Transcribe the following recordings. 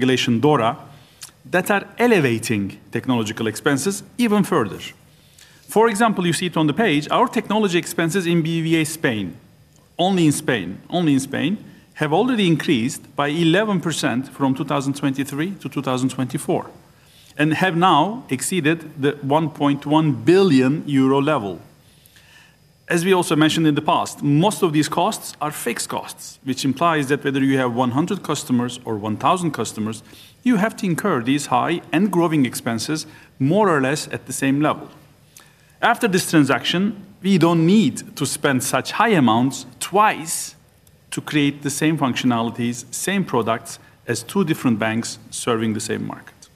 Regulation DORA that are elevating technological expenses even further. For example, you see it on the page, our technology expenses in BBVA Spain, only in Spain, have already increased by 11% from 2023- 2024 and have now exceeded the 1.1 billion euro level. As we also mentioned in the past, most of these costs are fixed costs, which implies that whether you have 100 customers or 1,000 customers, you have to incur these high and growing expenses more or less at the same level. After this transaction, we don't need to spend such high amounts twice to create the same functionalities, same products as two different banks serving the same market.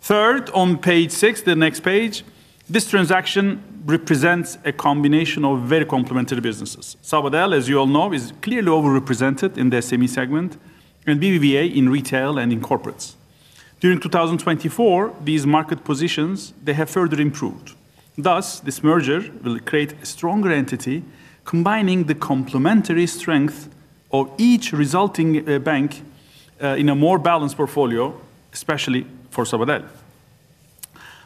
Third, on page six, the next page, this transaction represents a combination of very complementary businesses. Banco Sabadell, as you all know, is clearly overrepresented in the SME segment and BBVA in retail and in corporates. During 2024, these market positions, they have further improved. Thus, this merger will create a stronger entity, combining the complementary strength of each resulting bank in a more balanced portfolio, especially for Banco Sabadell.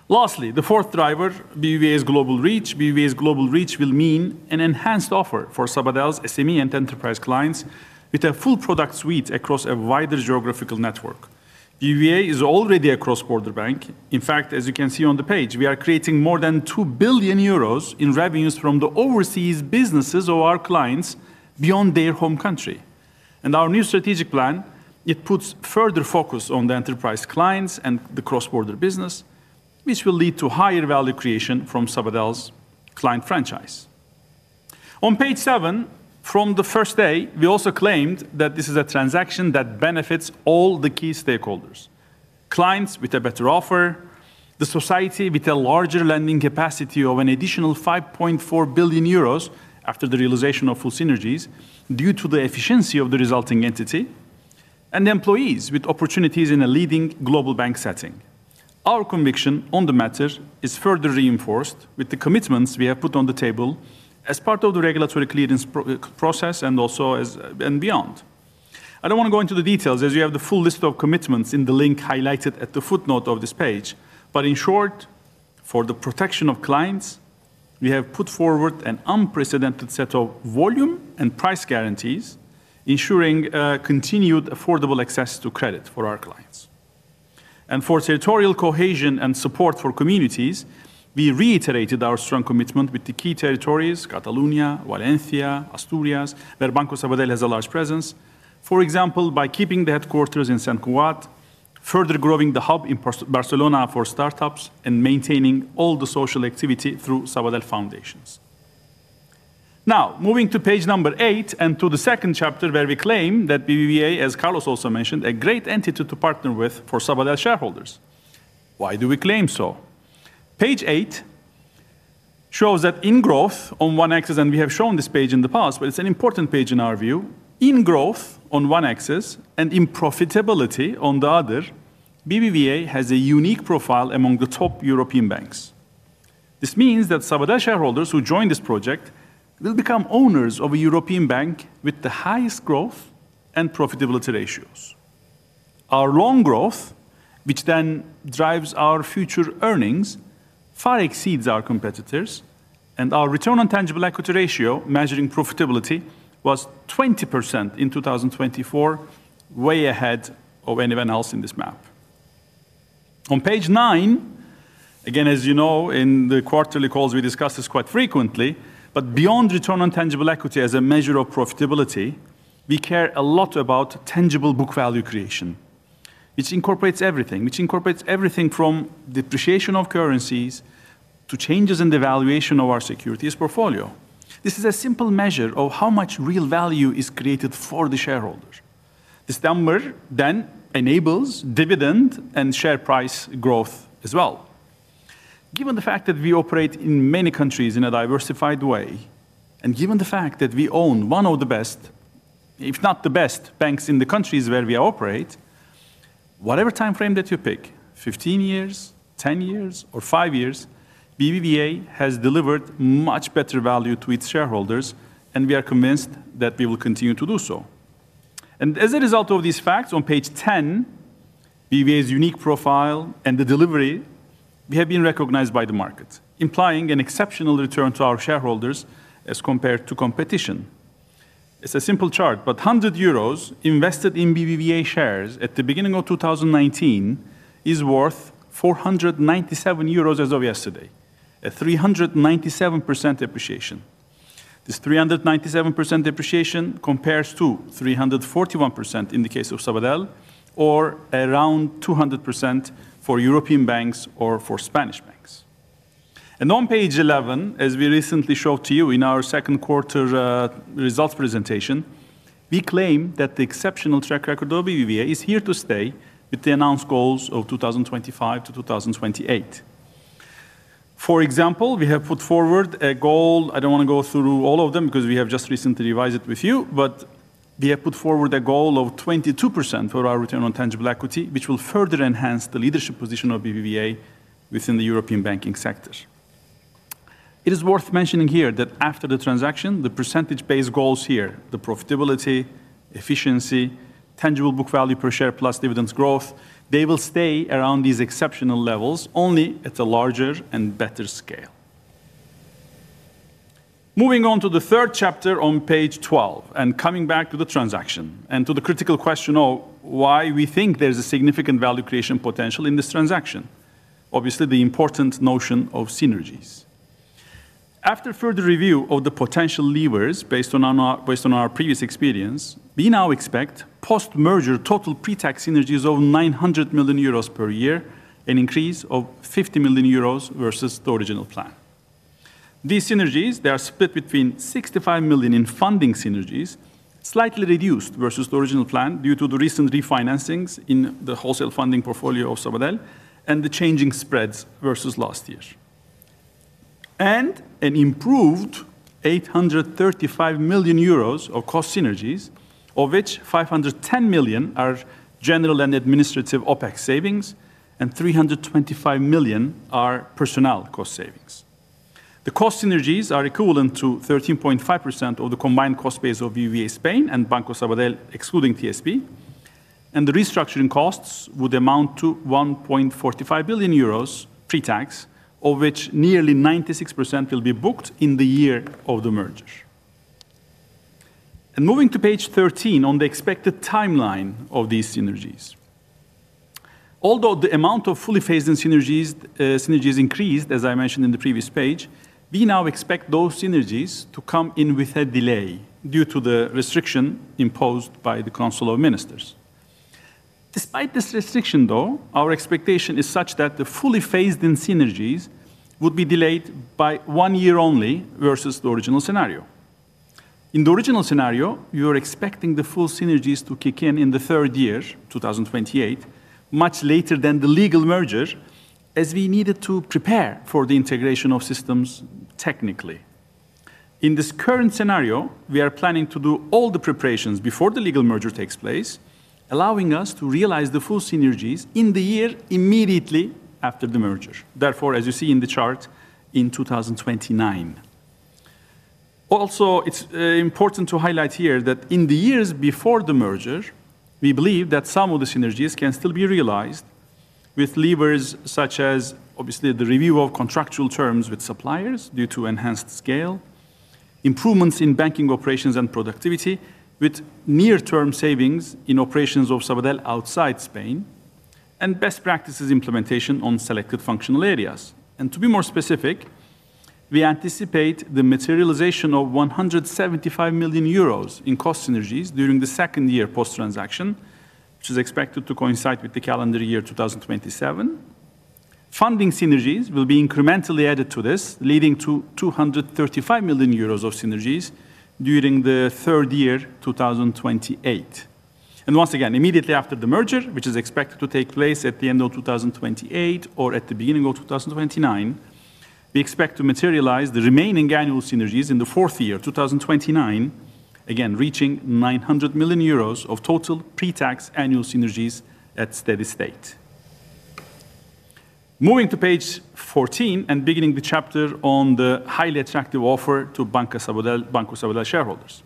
Lastly, the fourth driver, BBVA's global reach, BBVA's global reach will mean an enhanced offer for Banco Sabadell's SME and enterprise clients with a full product suite across a wider geographical network. BBVA is already a cross-border bank. In fact, as you can see on the page, we are creating more than 2 billion euros in revenues from the overseas businesses of our clients beyond their home country. Our new strategic plan puts further focus on the enterprise clients and the cross-border business, which will lead to higher value creation from Banco Sabadell's client franchise. On page seven, from the first day, we also claimed that this is a transaction that benefits all the key stakeholders: clients with a better offer, the society with a larger lending capacity of an additional 5.4 billion euros after the realization of full synergies due to the efficiency of the resulting entity, and the employees with opportunities in a leading global bank setting. Our conviction on the matter is further reinforced with the commitments we have put on the table as part of the regulatory clearance process and also beyond. I don't want to go into the details as you have the full list of commitments in the link highlighted at the footnote of this page. In short, for the protection of clients, we have put forward an unprecedented set of volume and price guarantees, ensuring continued affordable access to credit for our clients. For territorial cohesion and support for communities, we reiterated our strong commitment with the key territories, Catalonia, Valencia, Asturias, where Banco Sabadell has a large presence. For example, by keeping the headquarters in Sant Cugat, further growing the hub in Barcelona for startups, and maintaining all the social activity through Sabadell Foundations. Now, moving to page number eight and to the second chapter where we claim that BBVA is, as Carlos also mentioned, a great entity to partner with for Sabadell shareholders. Why do we claim so? Page eight shows that in growth on one axis, and we have shown this page in the past, but it's an important page in our view, in growth on one axis and in profitability on the other, BBVA has a unique profile among the top European banks. This means that Sabadell shareholders who join this project will become owners of a European bank with the highest growth and profitability ratios. Our long growth, which then drives our future earnings, far exceeds our competitors, and our return on tangible equity ratio measuring profitability was 20% in 2024, way ahead of anyone else in this map. On page nine, as you know, in the quarterly calls, we discuss this quite frequently, but beyond return on tangible equity as a measure of profitability, we care a lot about tangible book value creation, which incorporates everything, which incorporates everything from depreciation of currencies to changes in the valuation of our securities portfolio. This is a simple measure of how much real value is created for the shareholder. This number then enables dividend and share price growth as well. Given the fact that we operate in many countries in a diversified way, and given the fact that we own one of the best, if not the best banks in the countries where we operate, whatever timeframe that you pick, 15 years, 10 years, or five years, BBVA has delivered much better value to its shareholders, and we are convinced that we will continue to do so. As a result of these facts, on page 10, BBVA's unique profile and the delivery have been recognized by the market, implying an exceptional return to our shareholders as compared to competition. It's a simple chart, but 100 euros invested in BBVA shares at the beginning of 2019 is worth 497 euros as of yesterday, a 397% appreciation. This 397% appreciation compares to 341% in the case of Banco Sabadell, or around 200% for European banks or for Spanish banks. On page 11, as we recently showed to you in our second quarter results presentation, we claim that the exceptional track record of BBVA is here to stay with the announced goals of 2025- 2028. For example, we have put forward a goal, I don't want to go through all of them because we have just recently revised it with you, but we have put forward a goal of 22% for our return on tangible equity, which will further enhance the leadership position of BBVA within the European banking sector. It is worth mentioning here that after the transaction, the percentage-based goals here, the profitability, efficiency, tangible book value per share plus dividends growth, they will stay around these exceptional levels only at a larger and better scale. Moving on to the third chapter on page 12 and coming back to the transaction and to the critical question of why we think there's a significant value creation potential in this transaction, obviously the important notion of synergies. After further review of the potential levers based on our previous experience, we now expect post-merger total pre-tax synergies of 900 million euros per year, an increase of 50 million euros versus the original plan. These synergies are split between 65 million in funding synergies, slightly reduced versus the original plan due to the recent refinancings in the wholesale funding portfolio of Banco Sabadell and the changing spreads versus last year, and an improved 835 million euros of cost synergies, of which 510 million are general and administrative OpEx savings and 325 million are personnel cost savings. The cost synergies are equivalent to 13.5% of the combined cost base of BBVA Spain and Banco Sabadell, excluding TSB, and the restructuring costs would amount to 1.45 billion euros pre-tax, of which nearly 96% will be booked in the year of the merger. Moving to page 13 on the expected timeline of these synergies, although the amount of fully phased synergies increased, as I mentioned in the previous page, we now expect those synergies to come in with a delay due to the restriction imposed by the Council of Ministers. Despite this restriction, though, our expectation is such that the fully phased-in synergies would be delayed by one year only versus the original scenario. In the original scenario, you are expecting the full synergies to kick in in the third year, 2028, much later than the legal merger, as we needed to prepare for the integration of systems technically. In this current scenario, we are planning to do all the preparations before the legal merger takes place, allowing us to realize the full synergies in the year immediately after the merger. Therefore, as you see in the chart, in 2029. Also, it's important to highlight here that in the years before the merger, we believe that some of the synergies can still be realized with levers such as, obviously, the review of contractual terms with suppliers due to enhanced scale, improvements in banking operations and productivity, with near-term savings in operations of Sabadell outside Spain, and best practices implementation on selected functional areas. To be more specific, we anticipate the materialization of 175 million euros in cost synergies during the second year post-transaction, which is expected to coincide with the calendar year 2027. Funding synergies will be incrementally added to this, leading to 235 million euros of synergies during the third year, 2028. Once again, immediately after the merger, which is expected to take place at the end of 2028 or at the beginning of 2029, we expect to materialize the remaining annual synergies in the fourth year, 2029, again reaching 900 million euros of total pre-tax annual synergies at steady state. Moving to page 14 and beginning the chapter on the highly attractive offer to Banco Sabadell shareholders.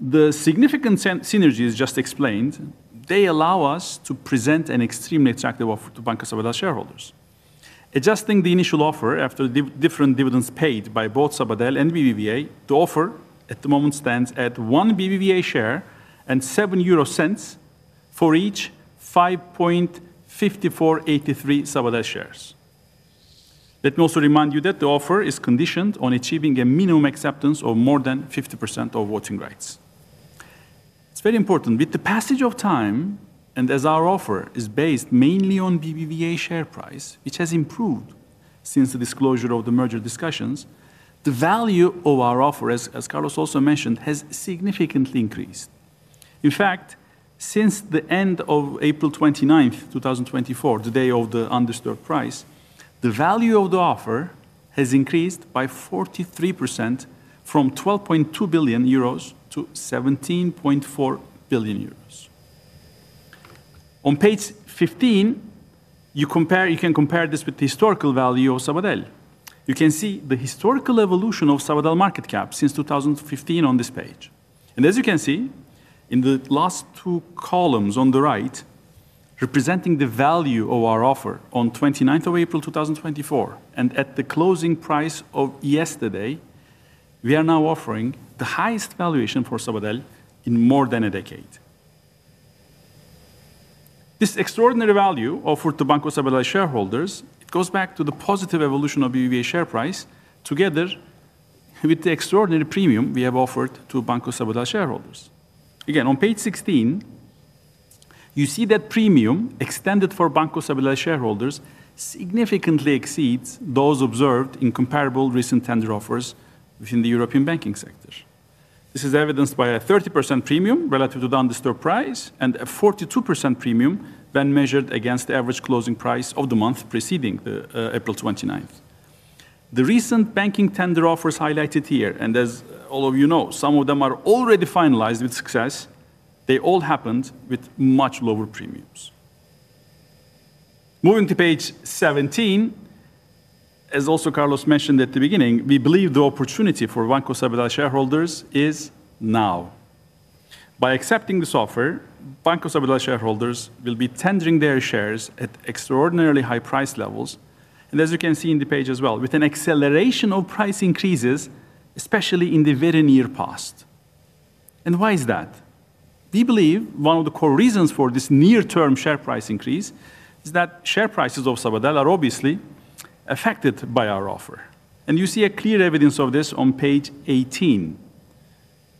The significant synergies just explained allow us to present an extremely attractive offer to Banco Sabadell shareholders. Adjusting the initial offer after different dividends paid by both Sabadell and BBVA, the offer at the moment stands at one BBVA share and 0.07 for each 5.5483 Sabadell shares. Let me also remind you that the offer is conditioned on achieving a minimum acceptance of more than 50% of voting rights. It's very important. With the passage of time, and as our offer is based mainly on BBVA share price, which has improved since the disclosure of the merger discussions, the value of our offer, as Carlos also mentioned, has significantly increased. In fact, since the end of April 29, 2024, the day of the undisturbed price, the value of the offer has increased by 43% from 12.2 billion euros- 17.4 billion euros. On page 15, you can compare this with the historical value of Banco Sabadell. You can see the historical evolution of Banco Sabadell market cap since 2015 on this page. As you can see, in the last two columns on the right, representing the value of our offer on April 29, 2024, and at the closing price of yesterday, we are now offering the highest valuation for Banco Sabadell in more than a decade. This extraordinary value offered to Banco Sabadell shareholders goes back to the positive evolution of BBVA share price, together with the extraordinary premium we have offered to Banco Sabadell shareholders. Again, on page 16, you see that premium extended for Banco Sabadell shareholders significantly exceeds those observed in comparable recent tender offers within the European banking sector. This is evidenced by a 30% premium relative to the undisturbed price and a 42% premium when measured against the average closing price of the month preceding April 29. The recent banking tender offers highlighted here, as all of you know, some of them are already finalized with success, they all happened with much lower premiums. Moving to page 17, as also Carlos Torres Vila mentioned at the beginning, we believe the opportunity for Banco Sabadell shareholders is now. By accepting this offer, Banco Sabadell shareholders will be tendering their shares at extraordinarily high price levels, as you can see in the page as well, with an acceleration of price increases, especially in the very near past. We believe one of the core reasons for this near-term share price increase is that share prices of Banco Sabadell are obviously affected by our offer. You see clear evidence of this on page 18.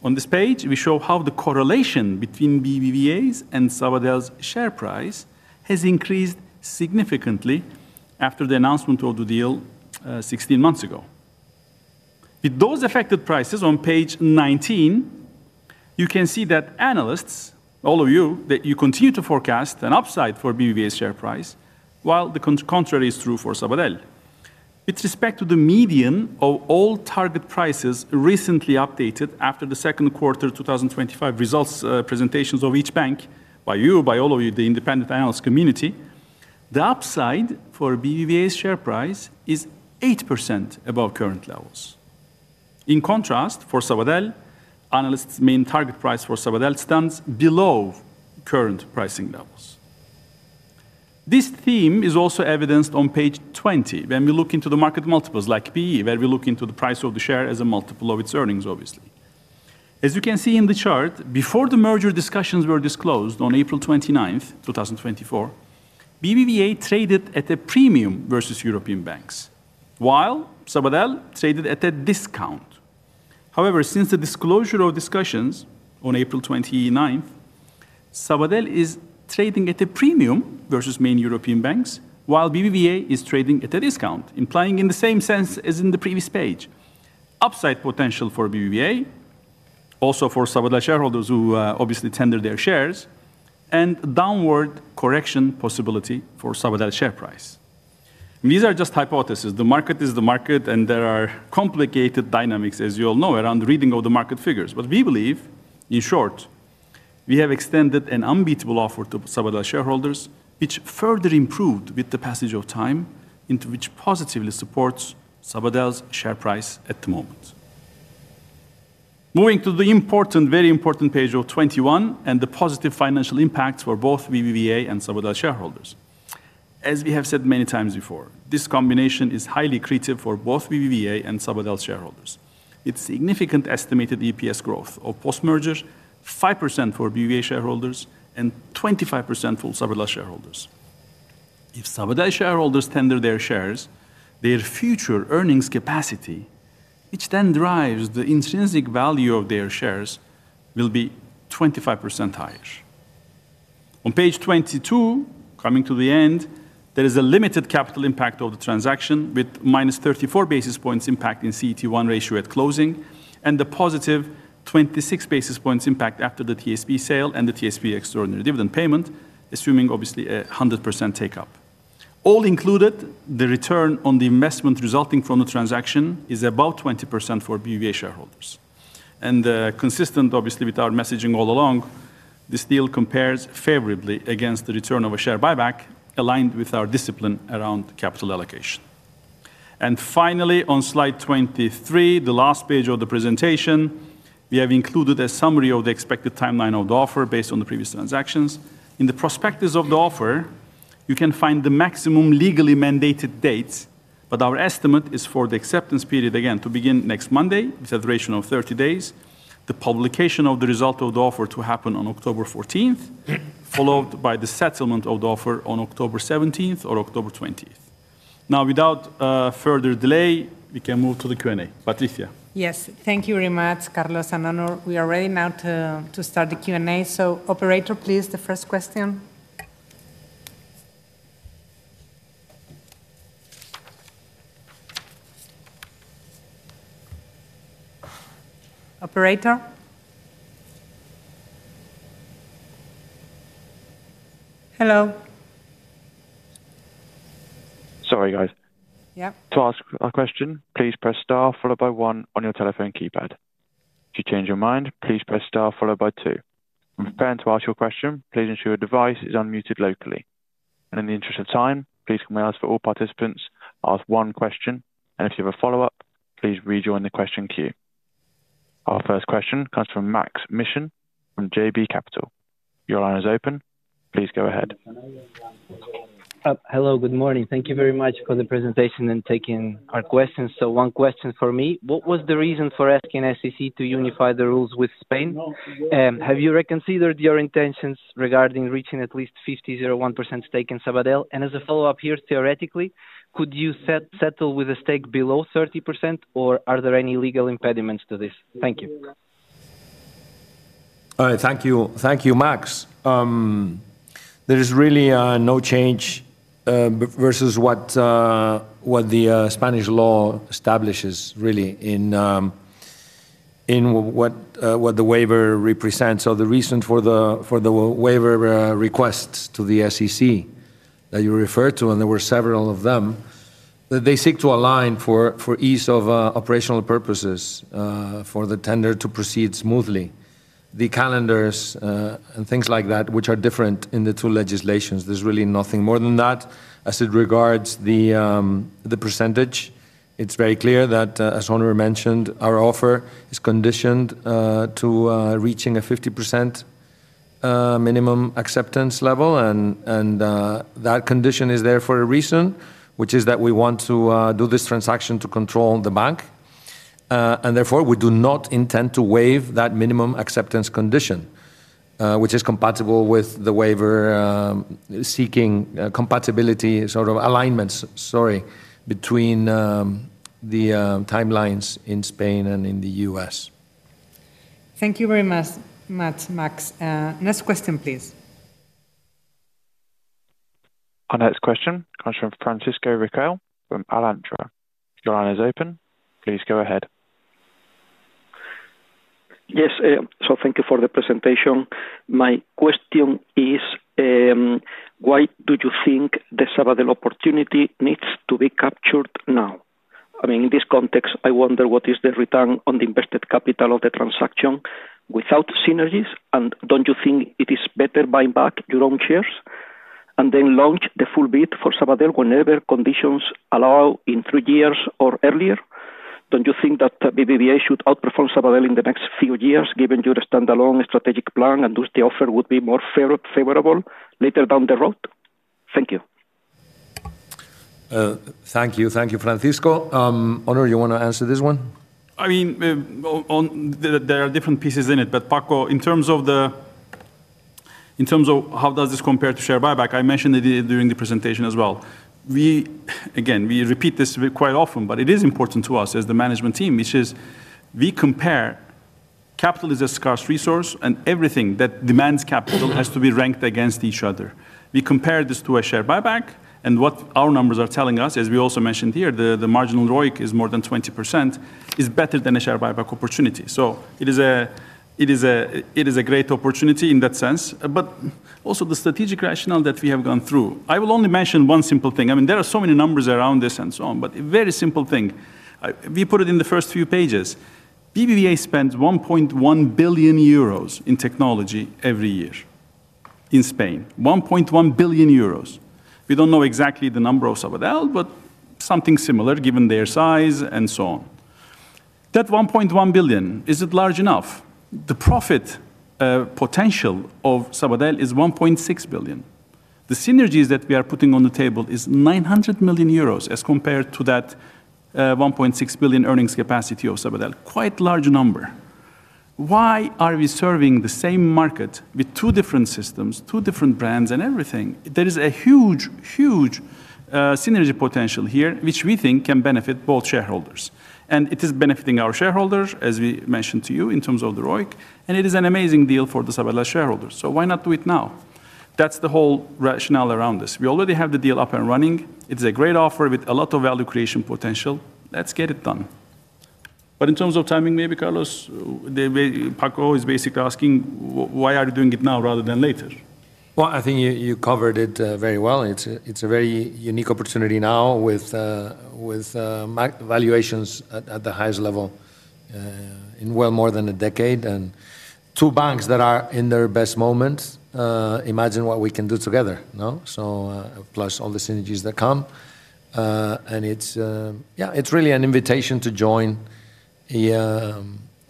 On this page, we show how the correlation between BBVA's and Banco Sabadell's share price has increased significantly after the announcement of the deal 16 months ago. With those affected prices on page 19, you can see that analysts, all of you, that you continue to forecast an upside for BBVA's share price, while the contrary is true for Banco Sabadell. With respect to the median of all target prices recently updated after the second quarter 2025 results presentations of each bank, by you, by all of you, the independent analyst community, the upside for BBVA's share price is 8% above current levels. In contrast, for Sabadell, analysts' main target price for Sabadell stands below current pricing levels. This theme is also evidenced on page 20 when we look into the market multiples like P/E, where we look into the price of the share as a multiple of its earnings, obviously. As you can see in the chart, before the merger discussions were disclosed on April 29, 2024, BBVA traded at a premium versus European banks, while Sabadell traded at a discount. However, since the disclosure of discussions on April 29, Sabadell is trading at a premium versus main European banks, while BBVA is trading at a discount, implying in the same sense as in the previous page, upside potential for BBVA, also for Sabadell shareholders who obviously tender their shares, and downward correction possibility for Sabadell's share price. These are just hypotheses. The market is the market, and there are complicated dynamics, as you all know, around reading of the market figures. We believe, in short, we have extended an unbeatable offer to Sabadell shareholders, which further improved with the passage of time, which positively supports Sabadell's share price at the moment. Moving to the important, very important page of 21 and the positive financial impacts for both BBVA and Sabadell shareholders. As we have said many times before, this combination is highly accretive for both BBVA and Sabadell shareholders. Its significant estimated EPS growth of post-merger, 5% for BBVA shareholders and 25% for Sabadell shareholders. If Sabadell shareholders tender their shares, their future earnings capacity, which then drives the intrinsic value of their shares, will be 25% higher. On page 22, coming to the end, there is a limited capital impact of the transaction with - 34 basis points impact in CET1 ratio at closing and the + 26 basis points impact after the TSB sale and the TSB extraordinary dividend payment, assuming obviously a 100% takeup. All included, the return on the investment resulting from the transaction is above 20% for BBVA shareholders. Consistent, obviously, with our messaging all along, this deal compares favorably against the return of a share buyback aligned with our discipline around capital allocation. Finally, on slide 23, the last page of the presentation, we have included a summary of the expected timeline of the offer based on the previous transactions. In the prospectus of the offer, you can find the maximum legally mandated dates, but our estimate is for the acceptance period, again, to begin next Monday with a duration of 30 days. The publication of the result of the offer to happen on October 14, followed by the settlement of the offer on October 17 or October 20. Now, without further delay, we can move to the Q&A. Patricia. Yes, thank you very much, Carlos and Onur. We are ready now to start the Q&A. Operator, please, the first question. Operator? Hello. Sorry, guys. Yeah. To ask a question, please press star followed by one on your telephone keypad. If you change your mind, please press star followed by two. If you're preparing to ask your question, please ensure your device is unmuted locally. In the interest of time, please can we ask for all participants to ask one question, and if you have a follow-up, please rejoin the question queue. Our first question comes from Max Mission from JB Capital. Your line is open. Please go ahead. Hello, good morning. Thank you very much for the presentation and taking our questions. One question for me. What was the reason for asking the U.S. SEC to unify the rules with Spain? Have you reconsidered your intentions regarding reaching at least 50.01% stake in Banco Sabadell? As a follow-up here, theoretically, could you settle with a stake below 30%, or are there any legal impediments to this? Thank you. All right, thank you. Thank you, Max. There is really no change versus what the Spanish law establishes, really, in what the waiver represents. The reason for the waiver requests to the U.S. SEC that you referred to, and there were several of them, is that they seek to align for ease of operational purposes for the tender to proceed smoothly. The calendars and things like that, which are different in the two legislations. There's really nothing more than that. As it regards the percentage, it's very clear that, as Onur mentioned, our offer is conditioned to reaching a 50% minimum acceptance level. That condition is there for a reason, which is that we want to do this transaction to control the bank. Therefore, we do not intend to waive that minimum acceptance condition, which is compatible with the waiver seeking compatibility, sort of alignments, sorry, between the timelines in Spain and in the U.S. Thank you very much, Max. Next question, please. Our next question comes from Francisco Riquel from Alantra. Your line is open. Please go ahead. Yes, thank you for the presentation. My question is, why do you think the Sabadell opportunity needs to be captured now? I mean, in this context, I wonder what is the return on invested capital of the transaction without synergies? Don't you think it is better buying back your own shares and then launch the full bid for Sabadell whenever conditions allow in three years or earlier? Don't you think that BBVA should outperform Sabadell in the next few years, given your standalone strategic plan, and do the offer would be more favorable later down the road? Thank you. Thank you. Thank you, Francisco. Onur, you want to answer this one? I mean, there are different pieces in it, but Paco, in terms of how does this compare to share buyback, I mentioned it during the presentation as well. Again, we repeat this quite often, but it is important to us as the management team, which is we compare capital as a scarce resource, and everything that demands capital has to be ranked against each other. We compare this to a share buyback, and what our numbers are telling us, as we also mentioned here, the marginal ROIC is more than 20%, is better than a share buyback opportunity. It is a great opportunity in that sense, but also the strategic rationale that we have gone through. I will only mention one simple thing. I mean, there are so many numbers around this and so on, but a very simple thing. We put it in the first few pages. Banco Bilbao Vizcaya Argentaria spends 1.1 billion euros in technology every year in Spain, 1.1 billion euros. We don't know exactly the number of Banco Sabadell, but something similar given their size and so on. That 1.1 billion, is it large enough? The profit potential of Banco Sabadell is 1.6 billion. The synergies that we are putting on the table are 900 million euros as compared to that 1.6 billion earnings capacity of Banco Sabadell. Quite a large number. Why are we serving the same market with two different systems, two different brands, and everything? There is a huge, huge synergy potential here, which we think can benefit both shareholders. It is benefiting our shareholders, as we mentioned to you, in terms of the ROIC, and it is an amazing deal for the Banco Sabadell shareholders. Why not do it now? That's the whole rationale around this. We already have the deal up and running. It is a great offer with a lot of value creation potential. Let's get it done. In terms of timing, maybe, Carlos, Paco is basically asking, why are you doing it now rather than later? I think you covered it very well. It's a very unique opportunity now with valuations at the highest level in well more than a decade. Two banks that are in their best moment, imagine what we can do together, no? Plus all the synergies that come. It's really an invitation to join a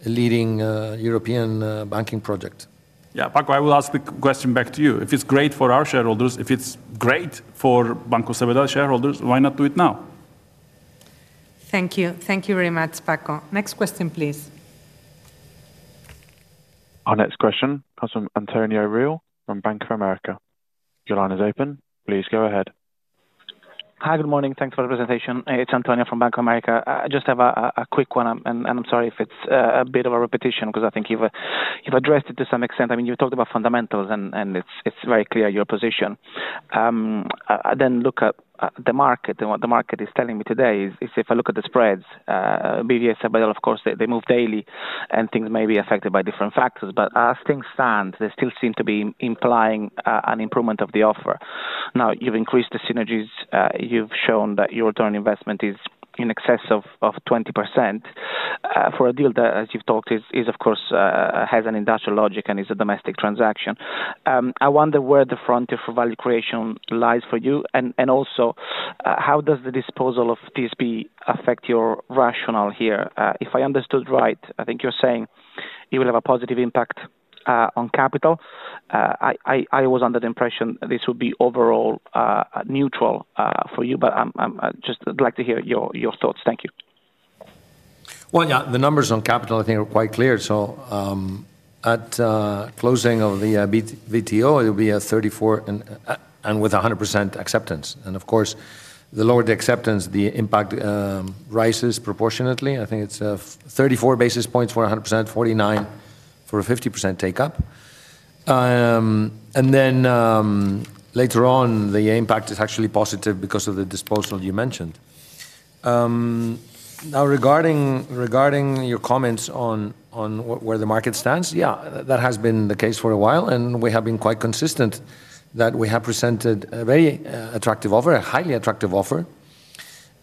leading European banking project. Yeah, Paco, I will ask the question back to you. If it's great for our shareholders, if it's great for Banco Sabadell shareholders, why not do it now? Thank you. Thank you very much, Paco. Next question, please. Our next question comes from Antonio Ruette from Bank of America. Your line is open. Please go ahead. Hi, good morning. Thanks for the presentation. It's Antonio from Bank of America. I just have a quick one, and I'm sorry if it's a bit of a repetition because I think you've addressed it to some extent. I mean, you talked about fundamentals, and it's very clear your position. I then look at the market, and what the market is telling me today is if I look at the spreads, BBVA and Banco Sabadell, of course, they move daily, and things may be affected by different factors. As things stand, they still seem to be implying an improvement of the offer. Now, you've increased the synergies. You've shown that your return on invested capital is in excess of 20% for a deal that, as you've talked, of course, has an industrial logic and is a domestic transaction. I wonder where the frontier for value creation lies for you, and also, how does the disposal of TSB affect your rationale here? If I understood right, I think you're saying it will have a positive impact on capital. I was under the impression this would be overall neutral for you, but I'd just like to hear your thoughts. Thank you. The numbers on capital, I think, are quite clear. At closing of the public tender offer, it'll be 34 basis points with 100% acceptance. Of course, the lower the acceptance, the impact rises proportionately. I think it's 34 basis points for 100%, 49 basis points for a 50% takeup. Later on, the impact is actually positive because of the disposal you mentioned. Regarding your comments on where the market stands, that has been the case for a while, and we have been quite consistent that we have presented a very attractive offer, a highly attractive offer.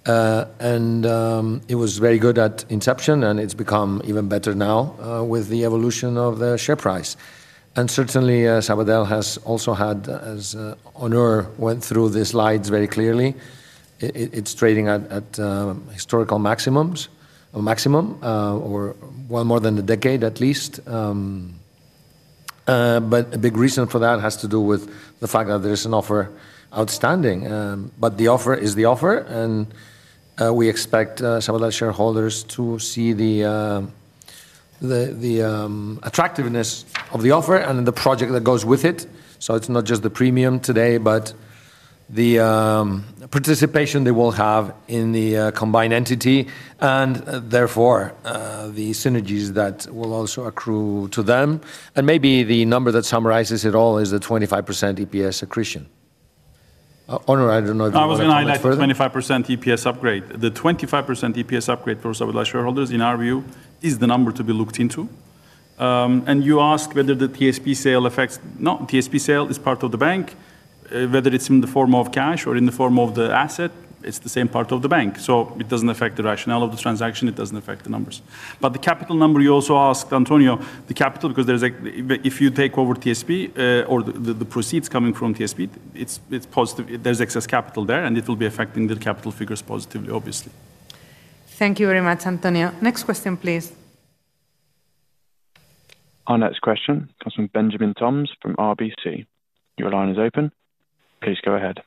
It was very good at inception, and it's become even better now with the evolution of the share price. Certainly, Banco Sabadell has also had, as Onur went through these slides very clearly, it's trading at historical maximums, or more than a decade at least. A big reason for that has to do with the fact that there is an offer outstanding. The offer is the offer, and we expect Banco Sabadell shareholders to see the attractiveness of the offer and the project that goes with it. It's not just the premium today, but the participation they will have in the combined entity, and therefore, the synergies that will also accrue to them. Maybe the number that summarizes it all is the 25% EPS accretion. Onur, I don't know if you're looking for it. I was going to add that 25% EPS upgrade. The 25% EPS upgrade for Sabadell shareholders, in our view, is the number to be looked into. You ask whether the TSB sale affects, no, TSB sale is part of the bank. Whether it's in the form of cash or in the form of the asset, it's the same part of the bank. It doesn't affect the rationale of the transaction. It doesn't affect the numbers. The capital number you also asked, Antonio, the capital, because if you take over TSB or the proceeds coming from TSB, it's positive. There's excess capital there, and it'll be affecting the capital figures positively, obviously. Thank you very much, Antonio. Next question, please. Our next question comes from Benjamin Toms from RBT. Your line is open. Please go ahead.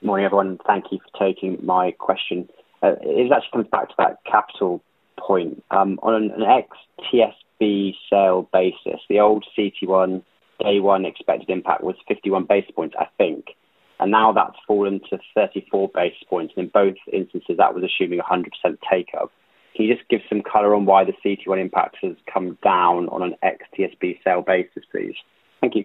Morning, everyone. Thank you for taking my question. It actually comes back to that capital point. On an ex-TSB sale basis, the old CET1, day one expected impact was 51 basis points, I think. Now that's fallen to 34 basis points. In both instances, that was assuming a 100% takeup. Can you just give some color on why the CET1 impact has come down on an ex-TSB sale basis, please? Thank you.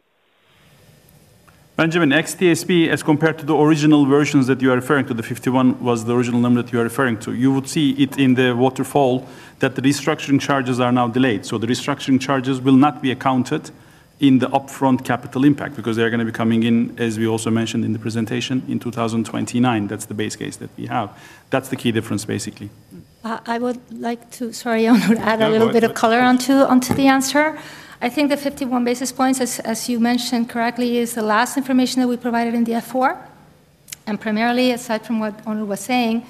Benjamin, ex-TSB, as compared to the original versions that you are referring to, the 51 basis points was the original number that you are referring to. You would see it in the waterfall that the restructuring charges are now delayed. The restructuring charges will not be accounted in the upfront capital impact because they are going to be coming in, as we also mentioned in the presentation, in 2029. That is the base case that we have. That is the key difference, basically. I would like to, sorry, Onur, add a little bit of color onto the answer. I think the 51 basis points, as you mentioned correctly, is the last information that we provided in the F4. Primarily, aside from what Onur was saying,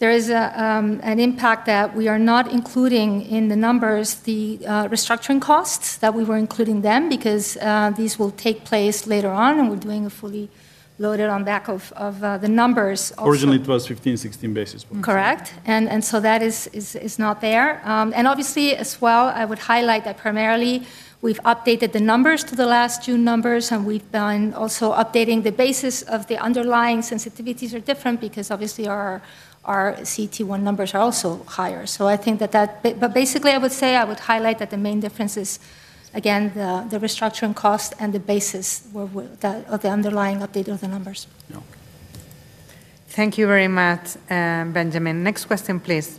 there is an impact that we are not including in the numbers, the restructuring costs. We were including them because these will take place later on and we're doing a fully loaded on back of the numbers. Originally, it was 15, 16 basis points. Correct. That is not there. Obviously, as well, I would highlight that primarily we've updated the numbers to the last June numbers, and we've done also updating the basis of the underlying sensitivities, which are different because obviously our CET1 numbers are also higher. I think that basically I would highlight that the main difference is again the restructuring cost and the basis of the underlying update of the numbers. Thank you very much, Benjamin. Next question, please.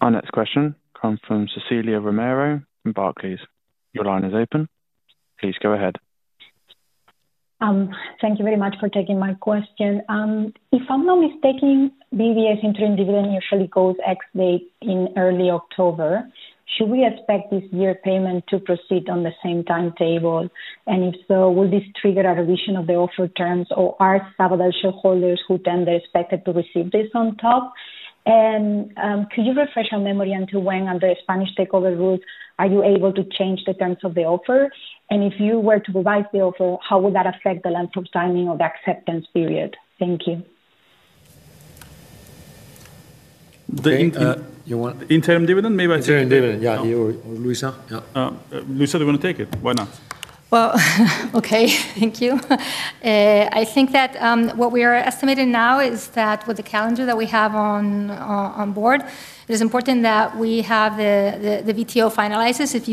Our next question comes from Cecilia Romero in Barclays. Your line is open. Please go ahead. Thank you very much for taking my question. If I'm not mistaken, BBVA's interim dividend usually goes ex-date in early October. Should we expect this year payment to proceed on the same timetable? If so, will this trigger a revision of the offer terms, or are Sabadell shareholders who tend to expect it to receive this on top? Could you refresh our memory until when under Spanish takeover rules you are able to change the terms of the offer? If you were to revise the offer, how would that affect the length or timing of the acceptance period? Thank you. Interim dividend, maybe? Interim dividend, yeah. Luisa, do you want to take it? Why not? Thank you. I think that what we are estimating now is that with the calendar that we have on board, it is important that we have the VTO finalized. If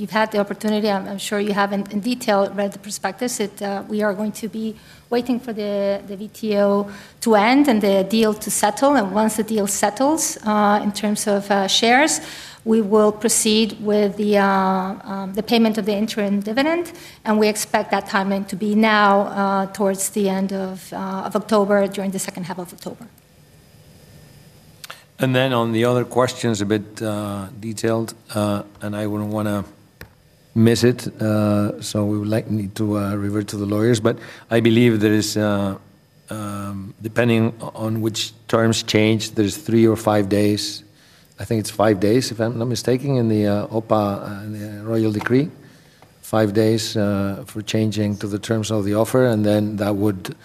you've had the opportunity, I'm sure you have in detail read the prospectus that we are going to be waiting for the VTO to end and the deal to settle. Once the deal settles in terms of shares, we will proceed with the payment of the interim dividend. We expect that timing to be now towards the end of October, during the second half of October. On the other questions, a bit detailed, and I wouldn't want to miss it, so we would like to revert to the lawyers. I believe there is, depending on which terms change, three or five days. I think it's five days, if I'm not mistaken, in the ROIC decree, five days for changing to the terms of the offer. That would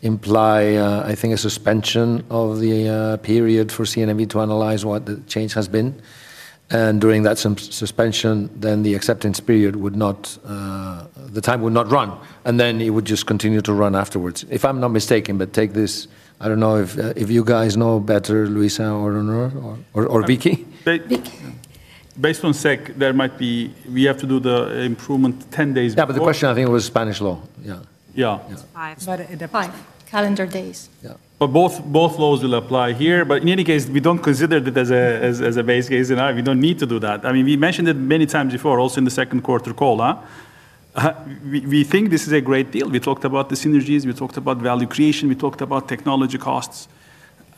imply, I think, a suspension of the period for CNMV to analyze what the change has been. During that suspension, the acceptance period would not, the time would not run. It would just continue to run afterwards. If I'm not mistaken, but take this, I don't know if you guys know better, Luisa or Onur or Vicky. Based on the SEC, there might be, we have to do the improvement 10 days before. The question, I think, was Spanish law. Yeah. It's five, in the five calendar days. Yeah. Both laws will apply here. In any case, we don't consider that as a base case, and we don't need to do that. I mean, we mentioned it many times before, also in the second quarter call. We think this is a great deal. We talked about the synergies, we talked about value creation, we talked about technology costs.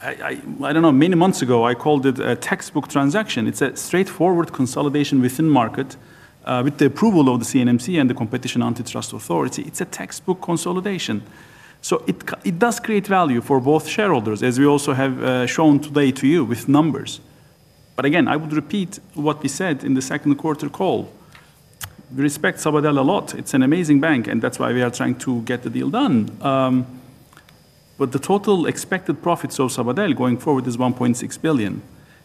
I don't know, many months ago, I called it a textbook transaction. It's a straightforward consolidation within the market with the approval of the CNMC and the Competition Antitrust Authority. It's a textbook consolidation. It does create value for both shareholders, as we also have shown today to you with numbers. I would repeat what we said in the second quarter call. We respect Sabadell a lot. It's an amazing bank, and that's why we are trying to get the deal done. The total expected profits of Sabadell going forward is 1.6 billion.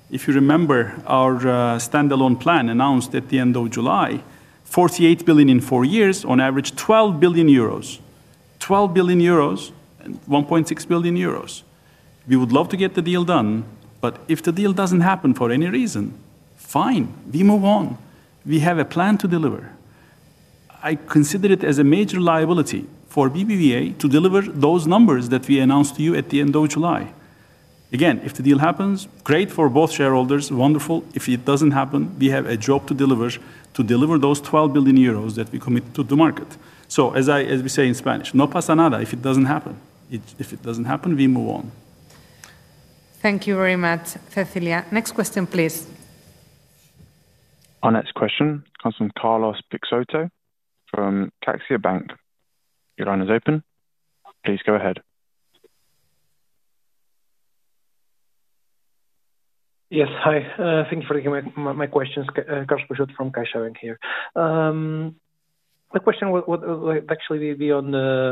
If you remember, our standalone plan announced at the end of July, 48 billion in four years, on average 12 billion euros. 12 billion euros and 1.6 billion euros. We would love to get the deal done, but if the deal doesn't happen for any reason, fine, we move on. We have a plan to deliver. I consider it as a major liability for BBVA to deliver those numbers that we announced to you at the end of July. If the deal happens, great for both shareholders, wonderful. If it doesn't happen, we have a job to deliver, to deliver those 12 billion euros that we commit to the market. As we say in Spanish, no pasa nada if it doesn't happen. If it doesn't happen, we move on. Thank you very much, Cecilia. Next question, please. Our next question comes from Carlos Peixoto from CaixaBank. Your line is open. Please go ahead. Yes, hi. Thank you for taking my questions. Carlos Peixoto from CaixaBank here. My question would actually be on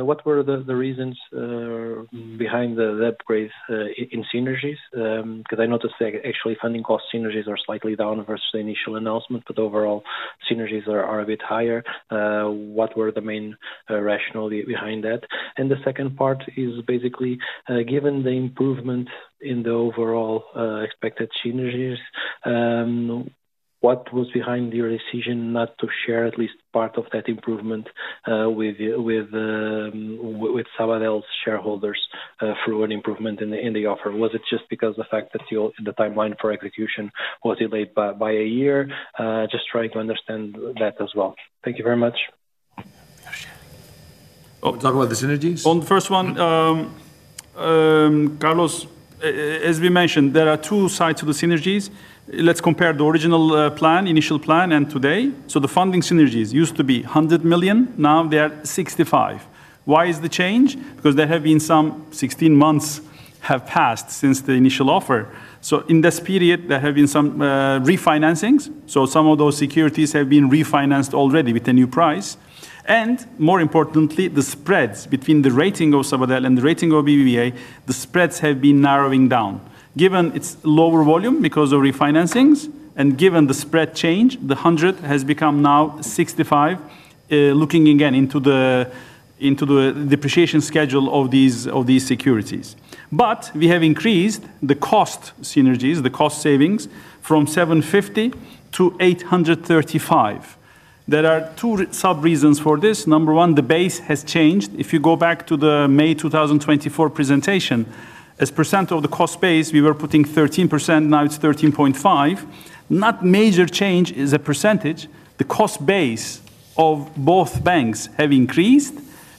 what were the reasons behind the upgrades in synergies? I noticed that actually funding cost synergies are slightly down versus the initial announcement, but overall, synergies are a bit higher. What were the main rationale behind that? The second part is basically, given the improvement in the overall expected synergies, what was behind your decision not to share at least part of that improvement with Banco Sabadell's shareholders through an improvement in the offer? Was it just because of the fact that the timeline for execution was delayed by a year? Just trying to understand that as well. Thank you very much. Oh, we're talking about the synergies? On the first one, Carlos, as we mentioned, there are two sides to the synergies. Let's compare the original plan, initial plan, and today. The funding synergies used to be 100 million. Now they are 65 million. Why is the change? There have been some 16 months passed since the initial offer. In this period, there have been some refinancings. Some of those securities have been refinanced already with a new price. More importantly, the spreads between the rating of Banco Sabadell and the rating of Banco Bilbao Vizcaya Argentaria, the spreads have been narrowing down. Given its lower volume because of refinancings and given the spread change, the 100 million has become now 65 million, looking again into the depreciation schedule of these securities. We have increased the cost synergies, the cost savings from 750 million -835 million. There are two sub-reasons for this. Number one, the base has changed. If you go back to the May 2024 presentation, as percent of the cost base, we were putting 13%, now it's 13.5%. Not a major change as a percentage. The cost base of both banks has increased.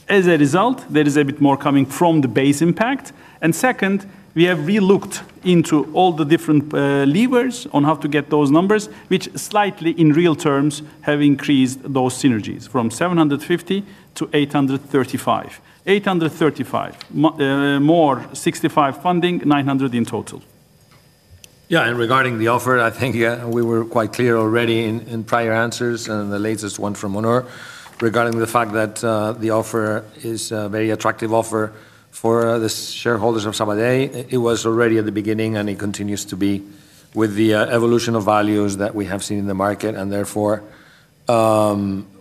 As a result, there is a bit more coming from the base impact. Second, we have relooked into all the different levers on how to get those numbers, which slightly, in real terms, have increased those synergies from 750 million to 835 million. 835 million more 65 million funding, 900 million in total. Yeah, and regarding the offer, I think we were quite clear already in prior answers and the latest one from Onur regarding the fact that the offer is a very attractive offer for the shareholders of Banco Sabadell. It was already at the beginning and it continues to be with the evolution of values that we have seen in the market. Therefore,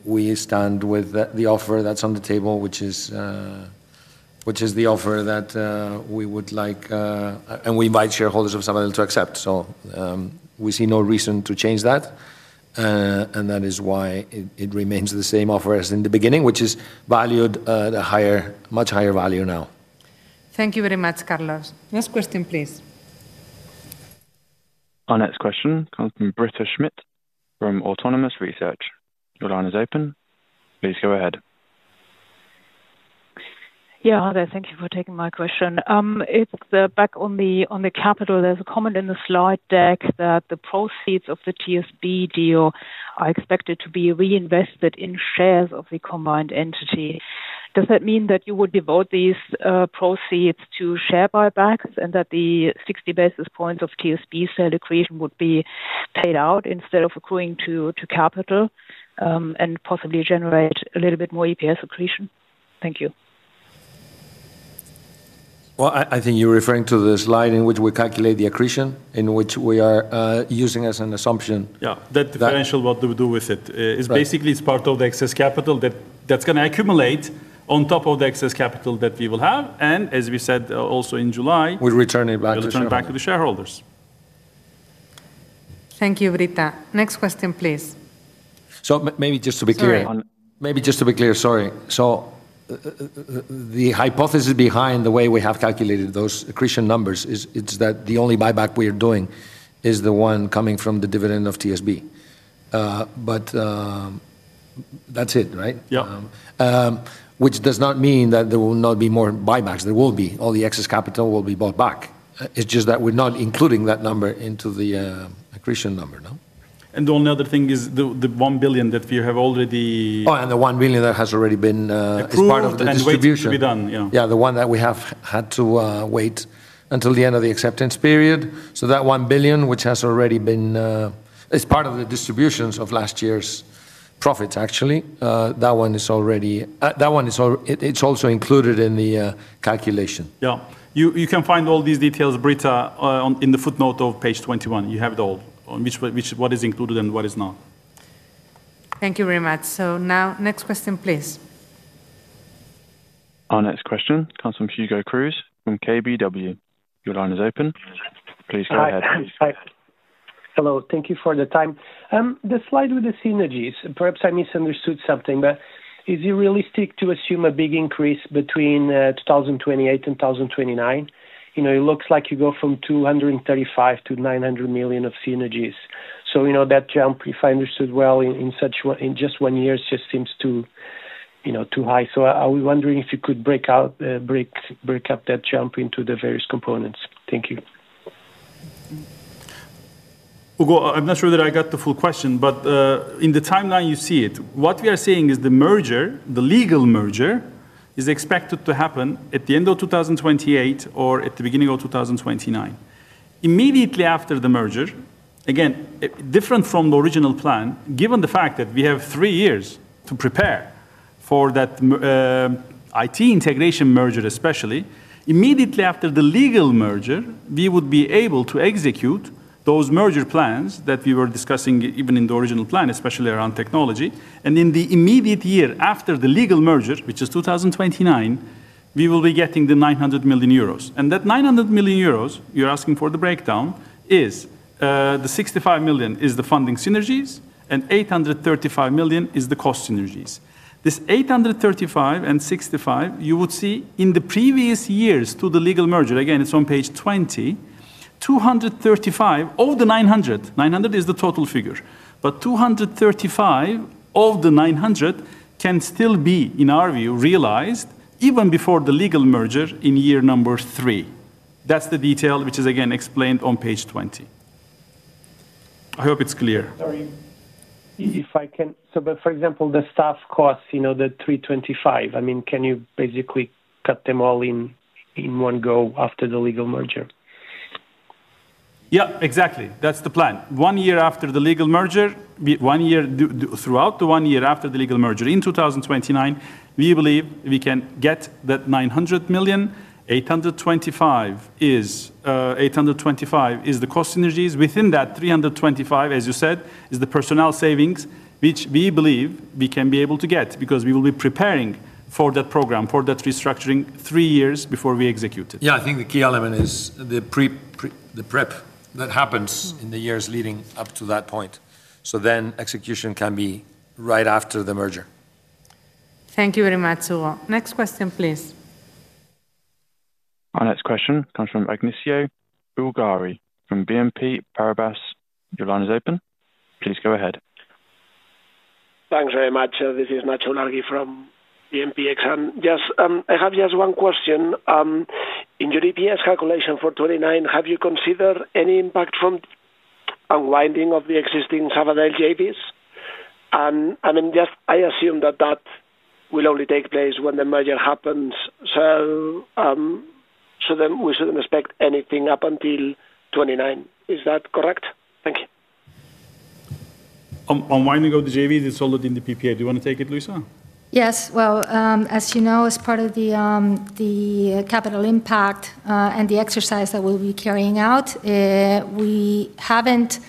we stand with the offer that's on the table, which is the offer that we would like, and we invite shareholders of Banco Sabadell to accept. We see no reason to change that. That is why it remains the same offer as in the beginning, which is valued at a much higher value now. Thank you very much, Carlos. Next question, please. Our next question comes from Britta Schmidt from Autonomous Research. Your line is open. Please go ahead. Yeah, hi, thank you for taking my question. It's back on the capital. There's a comment in the slide deck that the proceeds of the TSB deal are expected to be reinvested in shares of the combined entity. Does that mean that you would devote these proceeds to share buybacks and that the 60 basis points of TSB sale accretion would be paid out instead of accruing to capital and possibly generate a little bit more EPS accretion? Thank you. I think you're referring to the slide in which we calculate the accretion, in which we are using as an assumption. Yeah, that differential, what do we do with it? It's basically part of the excess capital that's going to accumulate on top of the excess capital that we will have, as we said also in July. We return it back to the shareholders. Thank you, Britta. Next question, please. Maybe just to be clear, the hypothesis behind the way we have calculated those accretion numbers is that the only buyback we are doing is the one coming from the dividend of TSB. That's it, right? Yeah. Which does not mean that there will not be more buybacks. There will be. All the excess capital will be bought back. It's just that we're not including that number into the accretion number, no. The only other thing is the 1 billion that we have already. Oh, the 1 billion that has already been part of the distribution. It's going to be done, yeah. Yeah, the one that we have had to wait until the end of the acceptance period. That 1 billion, which has already been, it's part of the distributions of last year's profits, actually. That one is already, that one is also included in the calculation. Yeah. You can find all these details, Britta, in the footnote of page 21. You have it all, which is what is included and what is not. Thank you very much. Next question, please. Our next question comes from Hugo Cruz from KBW. Your line is open. Please go ahead. Hello, thank you for the time. The slide with the synergies, perhaps I misunderstood something, but is it realistic to assume a big increase between 2028 and 2029? It looks like you go from 235 million to 900 million of synergies. That jump, if I understood well, in just one year, just seems too high. I was wondering if you could break out, break up that jump into the various components. Thank you. Hugo, I'm not sure that I got the full question, but in the timeline you see it, what we are seeing is the merger, the legal merger, is expected to happen at the end of 2028 or at the beginning of 2029. Immediately after the merger, again, different from the original plan, given the fact that we have three years to prepare for that IT integration merger, especially, immediately after the legal merger, we would be able to execute those merger plans that we were discussing even in the original plan, especially around technology. In the immediate year after the legal merger, which is 2029, we will be getting the 900 million euros. That 900 million euros, you're asking for the breakdown, is the 65 million is the funding synergies, and 835 million is the cost synergies. This 835 million and 65 million, you would see in the previous years to the legal merger, again, it's on page 20, 235 million, all the 900 million, 900 million euros is the total figure, but 235 million of the 900 million can still be, in our view, realized even before the legal merger in year number three. That's the detail which is again explained on page 20. I hope it's clear. Sorry, if I can, for example, the staff costs, you know, the 325 million, I mean, can you basically cut them all in one go after the legal merger? Yeah, exactly. That's the plan. One year after the legal merger, throughout the one year after the legal merger in 2029, we believe we can get that 900 million. 825 million is the cost synergies. Within that, 325 million, as you said, is the personnel savings, which we believe we can be able to get because we will be preparing for that program, for that restructuring three years before we execute it. I think the key element is the prep that happens in the years leading up to that point, so execution can be right after the merger. Thank you very much, Hugo. Next question, please. Our next question comes from Agnesio Bougari from BNP Paribas. Your line is open. Please go ahead. Thanks very much. This is Ignacio Gárate from BMPX. Yes, I have just one question. In your EPS calculation for 2029, have you considered any impact from unwinding of the existing Sabadell joint ventures? I mean, I assume that that will only take place when the merger happens. We shouldn't expect anything up until 2029. Is that correct? Thank you. Unwinding of the joint ventures is solid in the PPA. Do you want to take it, Luisa? Yes. As you know, as part of the capital impact and the exercise that we'll be carrying out, we haven't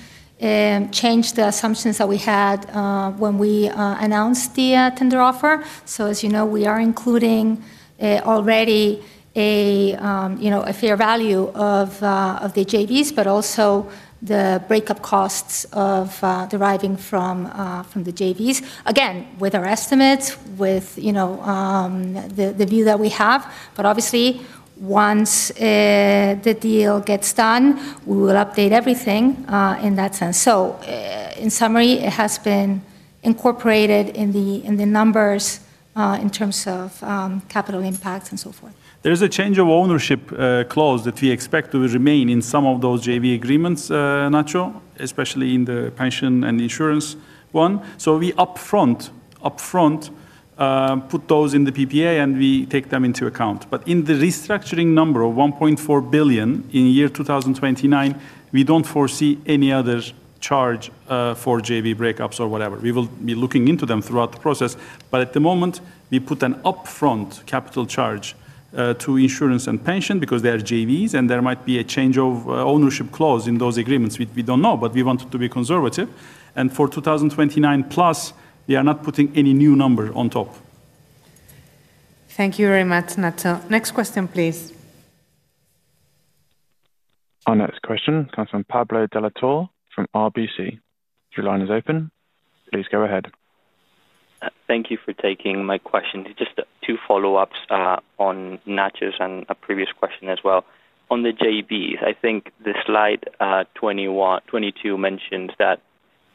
changed the assumptions that we had when we announced the tender offer. As you know, we are including already a fair value of the joint ventures, but also the breakup costs deriving from the joint ventures, with our estimates, with the view that we have. Obviously, once the deal gets done, we will update everything in that sense. In summary, it has been incorporated in the numbers in terms of capital impacts and so forth. There is a change of ownership clause that we expect to remain in some of those JV agreements, Nacio, especially in the pension and insurance one. We upfront put those in the PPA and we take them into account. In the restructuring number of 1.4 billion in year 2029, we don't foresee any other charge for JV breakups or whatever. We will be looking into them throughout the process. At the moment, we put an upfront capital charge to insurance and pension because they are JVs and there might be a change of ownership clause in those agreements. We don't know, we want it to be conservative. For 2029 plus, we are not putting any new number on top. Thank you very much, Nacio. Next question, please. Our next question comes from Pablo de la Torre Cuevas from RBC. Your line is open. Please go ahead. Thank you for taking my question. Just two follow-ups on Nacho's and a previous question as well. On the joint ventures, I think slide 22 mentions that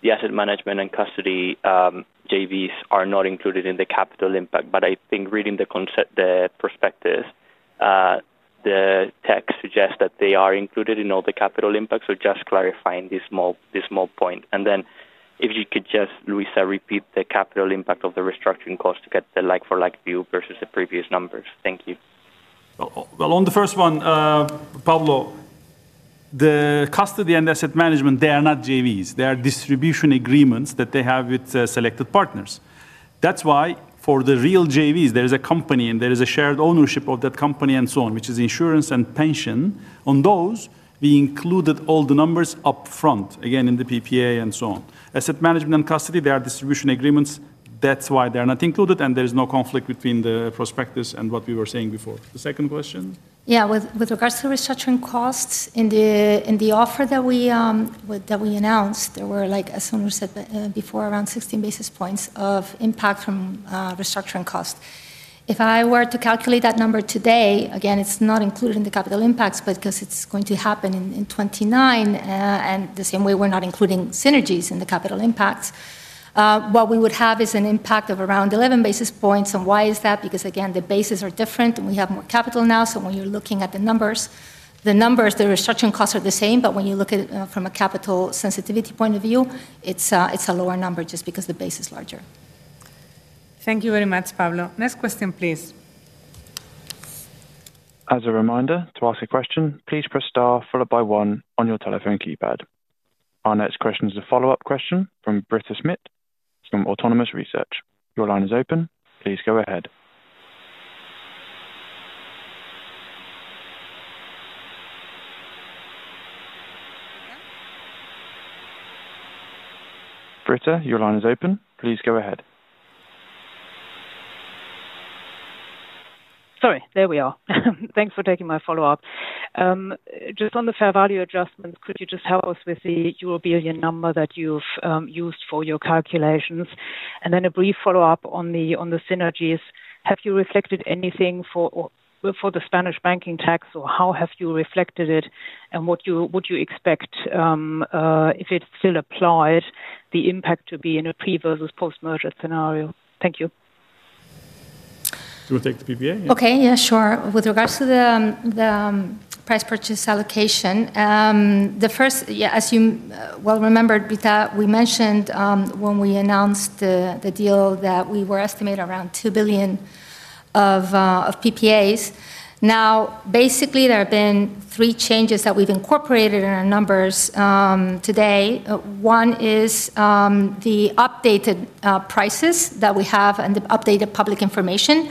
the asset management and custody joint ventures are not included in the capital impact. I think reading the prospectus, the text suggests that they are included in all the capital impacts. Just clarifying this small point. If you could just, Luisa, repeat the capital impact of the restructuring charges to get the like-for-like view versus the previous numbers. Thank you. On the first one, Pablo, the custody and asset management, they are not joint ventures. They are distribution agreements that they have with selected partners. That's why for the real joint ventures, there is a company and there is a shared ownership of that company and so on, which is insurance and pension. On those, we included all the numbers upfront, again in the PPA and so on. Asset management and custody, they are distribution agreements. That's why they are not included and there is no conflict between the prospectus and what we were saying before. The second question? Yeah, with regards to restructuring costs, in the offer that we announced, there were, like Onur said before, around 16 basis points of impact from restructuring costs. If I were to calculate that number today, again, it's not included in the capital impacts, but because it's going to happen in 2029, in the same way we're not including synergies in the capital impacts, what we would have is an impact of around 11 basis points. Why is that? Because again, the bases are different and we have more capital now. When you're looking at the numbers, the numbers, the restructuring costs are the same, but when you look at it from a capital sensitivity point of view, it's a lower number just because the base is larger. Thank you very much, Pablo. Next question, please. As a reminder, to ask a question, please press star followed by one on your telephone keypad. Our next question is a follow-up question from Britta Schmidt from Autonomous Research. Your line is open. Please go ahead. Britta, your line is open. Please go ahead. Sorry, there we are. Thanks for taking my follow-up. Just on the fair value adjustments, could you just help us with the euro billion number that you've used for your calculations? A brief follow-up on the synergies. Have you reflected anything for the Spanish banking tax, or how have you reflected it, and what would you expect, if it still applied, the impact to be in a pre-versus-post-merger scenario? Thank you. You want to take the PPA? Okay, yeah, sure. With regards to the price purchase allocation, the first, as you well remembered, Britta, we mentioned when we announced the deal that we were estimated around 2 billion of PPAs. Now, basically, there have been three changes that we've incorporated in our numbers today. One is the updated prices that we have and the updated public information.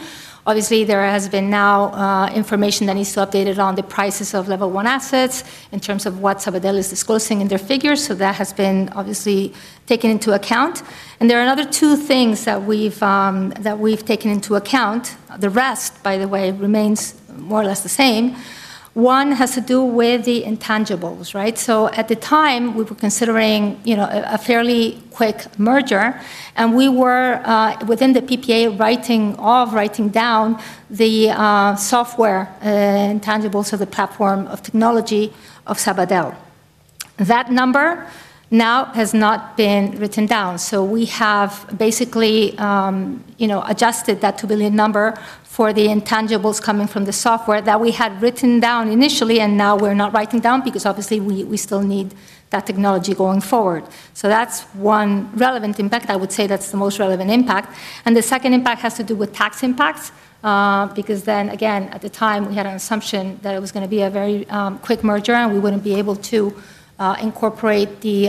Obviously, there has been now information that needs to be updated on the prices of level one assets in terms of what Banco Sabadell is disclosing in their figures. That has been obviously taken into account. There are another two things that we've taken into account. The rest, by the way, remains more or less the same. One has to do with the intangibles, right? At the time, we were considering a fairly quick merger, and we were within the PPA writing of, writing down the software intangibles of the platform of technology of Banco Sabadell. That number now has not been written down. We have basically adjusted that 2 billion number for the intangibles coming from the software that we had written down initially, and now we're not writing down because obviously we still need that technology going forward. That's one relevant impact. I would say that's the most relevant impact. The second impact has to do with tax impacts because at the time, we had an assumption that it was going to be a very quick merger and we wouldn't be able to incorporate the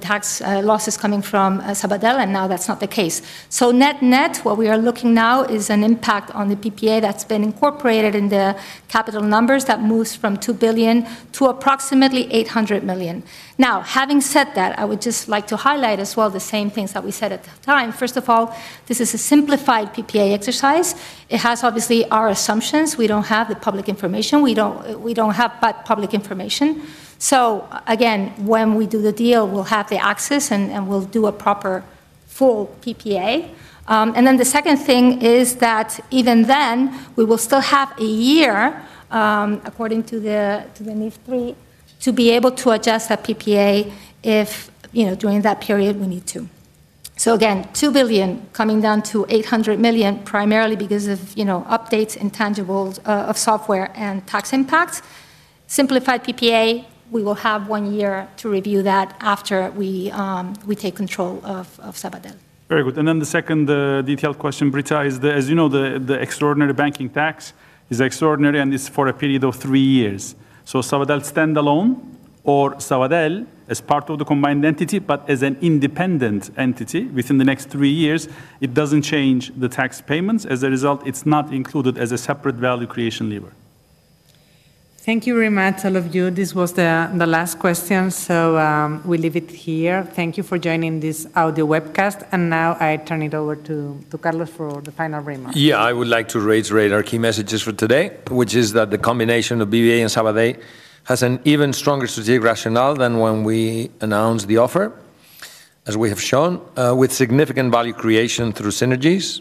tax losses coming from Banco Sabadell, and now that's not the case. Net-net, what we are looking now is an impact on the PPA that's been incorporated in the capital numbers that moves from 2 billion to approximately 800 million. Having said that, I would just like to highlight as well the same things that we said at the time. First of all, this is a simplified PPA exercise. It has obviously our assumptions. We don't have the public information. We don't have public information. When we do the deal, we'll have the access and we'll do a proper full PPA. The second thing is that even then, we will still have a year, according to the NISP, to be able to adjust that PPA if, you know, during that period we need to. Again, 2 billion coming down to 800 million, primarily because of, you know, updates and tangibles of software and tax impacts. Simplified PPA, we will have one year to review that after we take control of Banco Sabadell. Very good. The second detailed question, Britta, is that, as you know, the extraordinary banking tax is extraordinary and is for a period of three years. Sabadell standalone or Sabadell as part of the combined entity, but as an independent entity within the next three years, it doesn't change the tax payments. As a result, it's not included as a separate value creation lever. Thank you very much, all of you. This was the last question, so we leave it here. Thank you for joining this audio webcast. I now turn it over to Carlos for the final remark. Yeah, I would like to raise the key messages for today, which is that the combination of BBVA and Banco Sabadell has an even stronger strategic rationale than when we announced the offer, as we have shown, with significant value creation through synergies.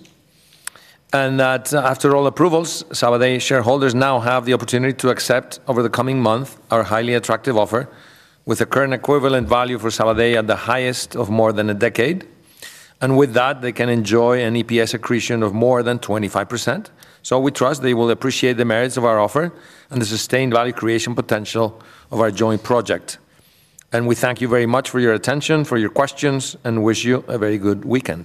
After all approvals, Banco Sabadell shareholders now have the opportunity to accept over the coming month our highly attractive offer with a current equivalent value for Banco Sabadell at the highest of more than a decade. With that, they can enjoy an EPS accretion of more than 25%. We trust they will appreciate the merits of our offer and the sustained value creation potential of our joint project. We thank you very much for your attention, for your questions, and wish you a very good weekend.